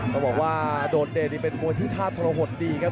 ต้องบอกว่าโดดเดชนี่เป็นมวยที่ท่าทรหดดีครับ